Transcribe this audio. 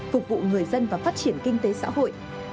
phục vụ người dân và phát triển kinh tế xã hội